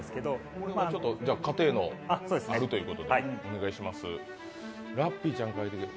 これは過程のがあるということでお願いします。